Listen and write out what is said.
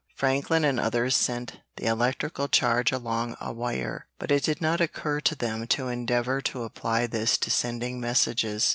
Franklin and others sent the electric charge along a wire, but it did not occur to them to endeavor to apply this to sending messages.